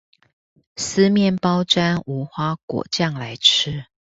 撕麵包沾無花果醬來吃